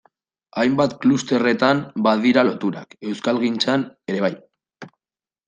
Hainbat klusterretan badira loturak, euskalgintzan ere bai...